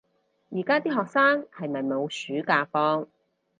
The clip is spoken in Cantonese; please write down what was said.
而家啲學生係咪冇暑假放